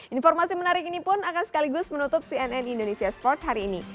informasi menarik ini pun akan sekaligus menutup cnn indonesia sports hari ini